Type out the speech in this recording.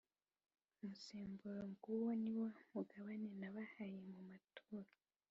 Umusemburo g uwo ni wo mugabane nabahaye mu maturo